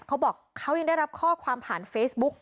เขาบอกเขายังได้รับข้อความผ่านเฟซบุ๊ก